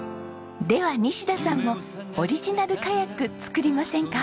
では西田さんもオリジナルカヤック作りませんか？